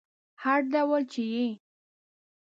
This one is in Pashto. هر ډول چې یې